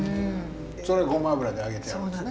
それごま油で揚げてあるんすね。